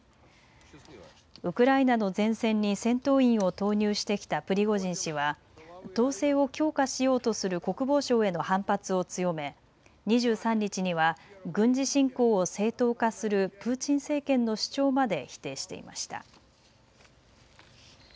ウクライナの前線に戦闘員を投入してきたプリゴジン氏は統制を強化しようとする国防省への反発を強め２３日には軍事侵攻を正当化するプーチン政権の主張まで否定していました。